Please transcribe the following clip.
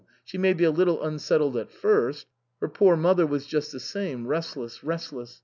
She may be a little unsettled at first. Her poor mother was just the same restless, restless.